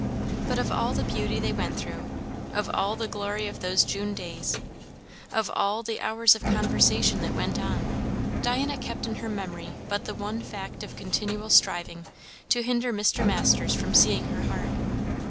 But of all the beauty they went through, of all the glory of those June days, of all the hours of conversation that went on, Diana kept in her memory but the one fact of continual striving to hinder Mr. Masters from seeing her heart.